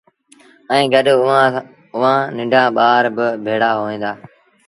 ائيٚݩ گڏ اُئآݩ رآ ننڍآ ٻآر با ڀيڙآ هوئين دآ